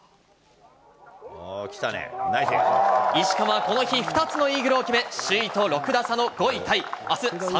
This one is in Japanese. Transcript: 石川はこの日２つのイーグルを決め、首位と６打差の５位タイ。